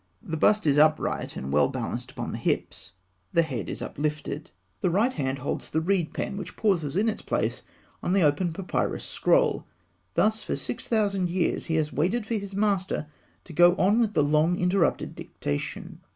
The bust is upright, and well balanced upon the hips. The head is uplifted. The right hand holds the reed pen, which pauses in its place on the open papyrus scroll. Thus, for six thousand years he has waited for his master to go on with the long interrupted dictation.